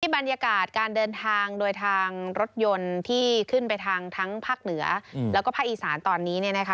บรรยากาศการเดินทางโดยทางรถยนต์ที่ขึ้นไปทางทั้งภาคเหนือแล้วก็ภาคอีสานตอนนี้เนี่ยนะคะ